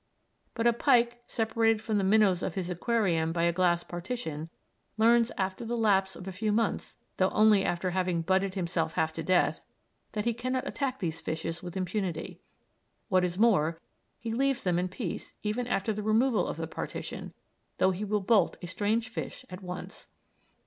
But a pike separated from the minnows of his aquarium by a glass partition, learns after the lapse of a few months, though only after having butted himself half to death, that he cannot attack these fishes with impunity. What is more, he leaves them in peace even after the removal of the partition, though he will bolt a strange fish at once.